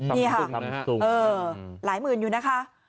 นี่ค่ะหลายหมื่นอยู่นะคะ